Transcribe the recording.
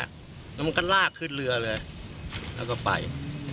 มันาก็ลากขึ้นเครืออดเรือแล้วก็ไป